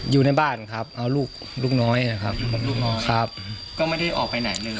อยู่ในบ้านครับเอาลูกลูกน้อยนะครับครับก็ไม่ได้ออกไปไหนเลย